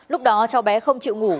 lúc đó cháu bé không chịu ngủ